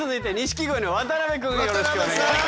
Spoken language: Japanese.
よろしくお願いします。